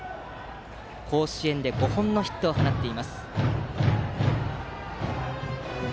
甲子園で５本のヒットを放っています。